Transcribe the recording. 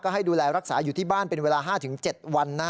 ให้ดูแลรักษาอยู่ที่บ้านเป็นเวลา๕๗วัน